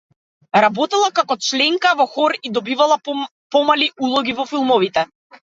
Работела како членка во хор и добивала помали улоги во филмовите.